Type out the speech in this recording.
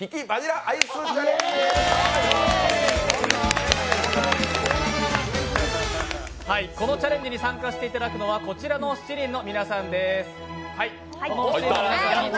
題してこのチャレンジに参加していただくのはこちらの７人の皆さんです。